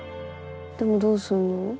でもどうすんの？